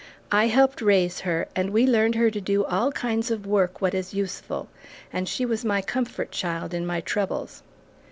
I helped raise her, and we learned her to do all kinds of work, what is useful, and she was my comfort child in my troubles."